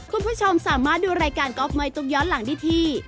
คุณผู้ชมสามารถดูรายการก๊อฟไมตุ๊กย้อนหลังได้ที่